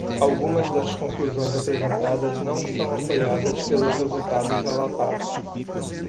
Algumas das conclusões apresentadas não são apoiadas pelos resultados relatados.